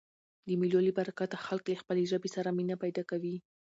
د مېلو له برکته خلک له خپلي ژبي سره مینه پیدا کوي.